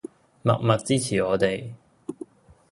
默默支持我哋